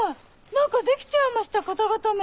何かできちゃいました肩固め。